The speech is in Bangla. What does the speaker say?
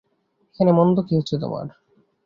এখানে মন্দ কী হচ্ছে তোমার?